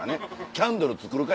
「キャンドル作るか？